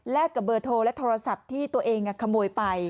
กับเบอร์โทรและโทรศัพท์ที่ตัวเองขโมยไป